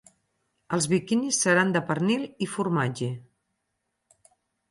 Els biquinis seran de pernil i formatge.